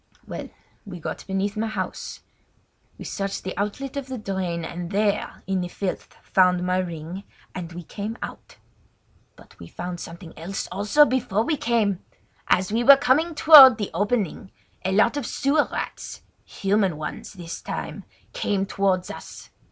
Well, we got beneath my house. We searched the outlet of the drain, and there in the filth found my ring, and we came out. "But we found something else also before we came! As we were coming toward the opening a lot of sewer rats—human ones this time—came towards us.